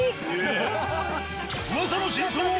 噂の真相を。